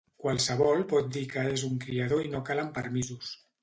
Qualsevol pot dir que és un criador i no calen permisos.